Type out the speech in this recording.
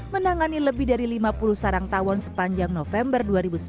menangani lebih dari lima puluh sarang tawon sepanjang november dua ribu sembilan belas